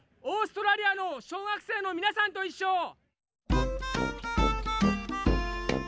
オーストラリアの小学生のみなさんといっしょ！